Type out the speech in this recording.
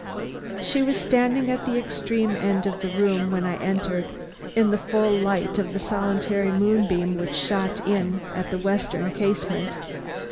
She was standing at the extreme end of the room when I entered, in the full light of the solitary moonbeam which shot in at the western casement.